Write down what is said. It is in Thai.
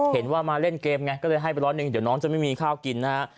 เห็นว่ามาเล่นเกมไงก็เลยให้ไปร้อยหนึ่งเดี๋ยวน้องจะไม่มีข้าวกินนะฮะ